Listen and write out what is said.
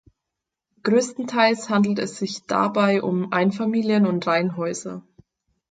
Größtenteils handelt es sich dabei um Einfamilien- und Reihenhäuser.